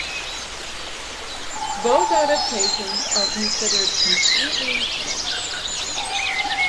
Both adaptations are considered completely lost.